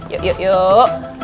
yuk yuk yuk